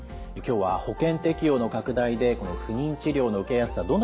今日は保険適用の拡大でこの不妊治療の受けやすさ